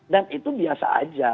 dan itu biasa aja